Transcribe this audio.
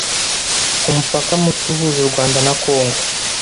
Ku mupaka muto uhuza u Rwanda na Congo